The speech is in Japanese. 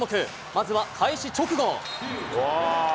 まずは開始直後。